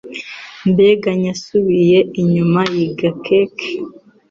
Megan yasubiye inyuma yiga keke.